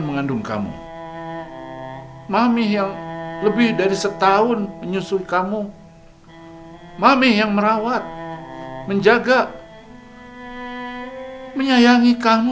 kenapa kamu bicara sama mami dengan nada setinggi itu